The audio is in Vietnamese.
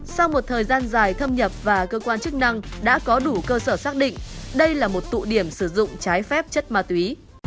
sau một thời gian dài thâm nhập và cơ quan chức năng đã có đủ cơ sở xác định đây là một tụ điểm sử dụng trái phép chất ma túy